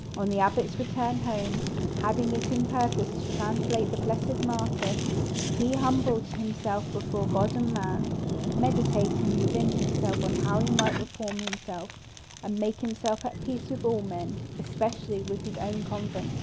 On the abbot's return home, having it in purpose to translate the blessed martyr, he humbled himself before God and man, meditating within himself how he might reform himself, and make himself at peace with all men, especially with his own convent.